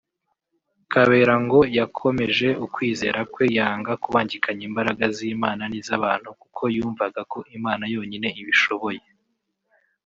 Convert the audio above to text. Kabera ngo yakomeje ukwizera kwe yanga kubangikanya imbaraga z’Imana n’izabantu kuko yumvaga ko Imana yonyine ibishoboye